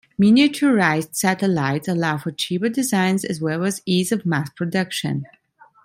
Miniaturized satellites allow for cheaper designs as well as ease of mass production.